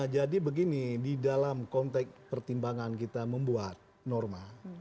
jadi begini di dalam konteks pertimbangan kita membuat norma